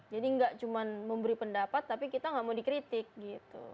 jadi nggak cuma memberi pendapat tapi kita nggak mau dikritik gitu